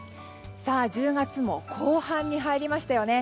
１０月も後半に入りましたよね。